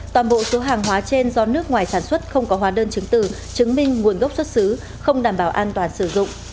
toàn bộ số hàng hóa trên do nước ngoài sản xuất không có hóa đơn chứng từ chứng minh nguồn gốc xuất xứ không đảm bảo an toàn sử dụng